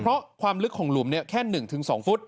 เพราะความลึกของหลุมแค่๑๒ฟุต